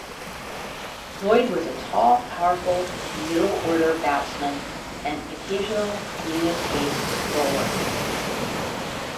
Lloyd was a tall, powerful middle-order batsman and occasional medium-pace bowler.